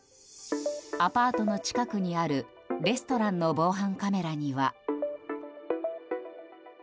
アパートの近くにあるレストランの防犯カメラには。